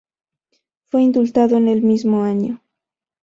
Fue indultado en el mismo año.